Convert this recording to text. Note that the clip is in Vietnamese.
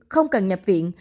không cần nhập viện